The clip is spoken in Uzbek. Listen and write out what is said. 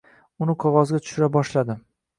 Uni qog‘ozga tushira boshladim.